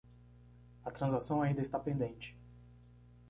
A transação ainda está pendente.